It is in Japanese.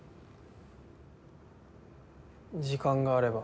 時間があれば。